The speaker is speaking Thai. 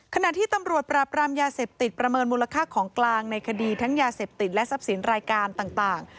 ขณะที่ตำรวจปราบรามยาเสพติดประเมินมูลค่าของกลางในคดีทั้งยาเสพติดและทรัพย์สินรายการต่าง